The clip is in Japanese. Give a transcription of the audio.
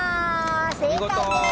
正解です。